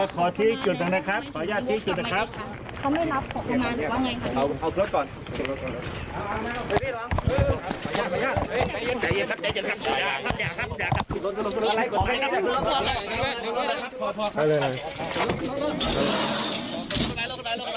เขาไม่รับขอขมาว่าไงครับ